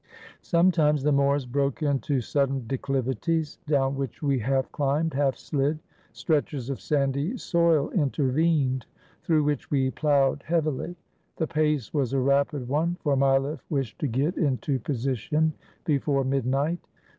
Sometimes the moors broke into sudden declivities, down which we half climbed, half slid. Stretches of sandy soil intervened, through which we ploughed heav ily. The pace was a rapid one, for Mileff wished to get into position before midnight.